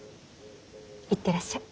行ってらっしゃい。